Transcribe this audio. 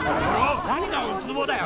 何がウツボだよ。